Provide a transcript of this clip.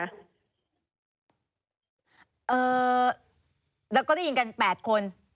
อื้อและก็ได้ยินกัน๘คน